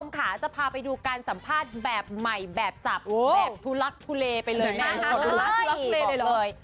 ของขาจะพาไปดูการสัมภาษณ์แบบใหม่แบบทุลักษณ์ทุเลไปเลย